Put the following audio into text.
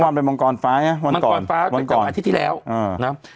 ความเป็นมังกรฟ้าเนี่ยวันก่อนมังกรฟ้าเป็นต่อมาที่ที่แล้วนะ